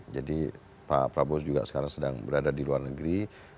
jadi pak prabowo juga sekarang sedang berada di luar negeri